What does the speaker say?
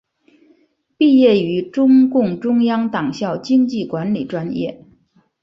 毕业于中共中央党校经济管理专业。